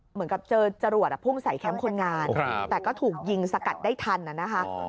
เหมือนกับเจอจรวดพุ่งใส่แคมป์คนงานแต่ก็ถูกยิงสกัดได้ทันนะคะ